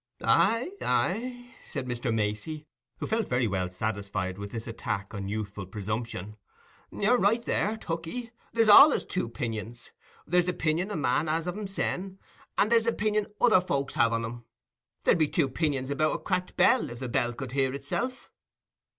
"Aye, aye," said Mr. Macey, who felt very well satisfied with this attack on youthful presumption; "you're right there, Tookey: there's allays two 'pinions; there's the 'pinion a man has of himsen, and there's the 'pinion other folks have on him. There'd be two 'pinions about a cracked bell, if the bell could hear itself."